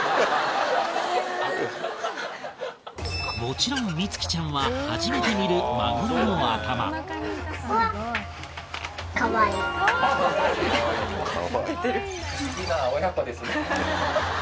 もちろん美月ちゃんは初めて見るマグロの頭不思議な親子ですね。